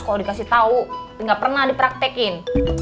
kalau dikasih tahu nggak pernah dipraktekin